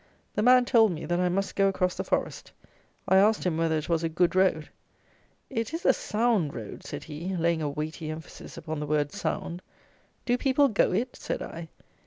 The man told me, that I must go across the forest. I asked him whether it was a good road: "It is a sound road," said he, laying a weighty emphasis upon the word sound. "Do people go it?" said I.